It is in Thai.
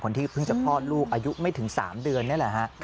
ที่เพิ่งจะคลอดลูกอายุไม่ถึง๓เดือนนี่แหละฮะ